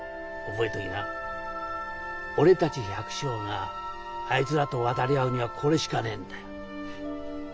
覚えときな俺たち百姓があいつらと渡り合うにはこれしかねえんだよ。